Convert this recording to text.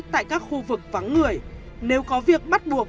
tại các khu vực vắng người nếu có việc bắt buộc